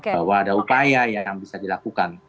bahwa ada upaya yang bisa dilakukan